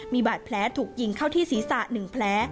มีบาดแผลถูกยิงเข้าที่ศีรษะ๑แผล